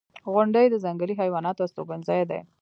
• غونډۍ د ځنګلي حیواناتو استوګنځای دی.